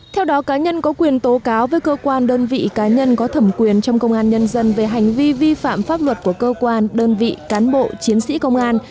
theo đó cá nhân có quyền tố cáo với cơ quan đơn vị cá nhân có thẩm quyền trong công an nhân dân về hành vi vi phạm pháp luật của cơ quan đơn vị cán bộ chiến sĩ công an